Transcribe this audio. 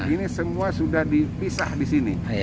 ini semua sudah dipisah di sini